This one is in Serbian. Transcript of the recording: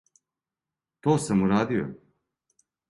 То сам урадио?